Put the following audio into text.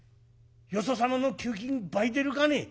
「よそ様の給金倍出るかね？